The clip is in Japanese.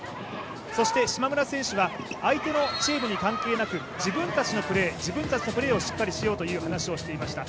そして島村選手は相手のチームに関係なく自分たちのプレーをしっかりしようという話をしていました。